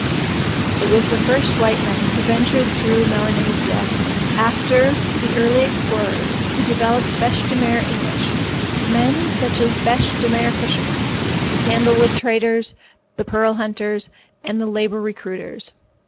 It was the first white men who ventured through Melanesia after the early explorers, who developed bêche de mer English—men such as the bêche de mer fishermen, the sandalwood traders, the pearl hunters, and the labour recruiters.